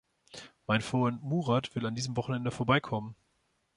Mein Freund Murad will an diesem Wochenende vorbeikommen.